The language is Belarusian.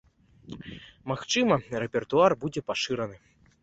Магчыма, рэпертуар будзе пашыраны.